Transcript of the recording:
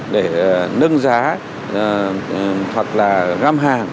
để nâng giá hoặc là gam hàng